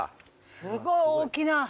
すごい大きな。